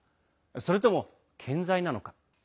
それとも健在なのか。